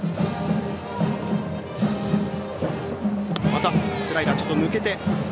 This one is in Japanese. またスライダーちょっと抜けて。